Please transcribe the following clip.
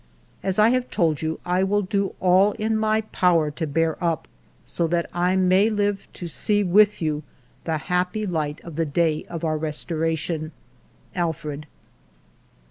" As I have told you, I will do all in my power to bear up, so that I may live to see with you the happy light of the day of our restoration. Alfred."